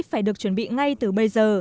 phải được chuẩn bị ngay từ bây giờ